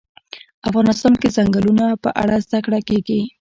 افغانستان کې د ځنګلونه په اړه زده کړه کېږي.